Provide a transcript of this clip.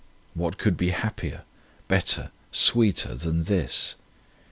What could be happier, better, sweeter than this